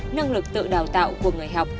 năng lực tự đào tạo của người học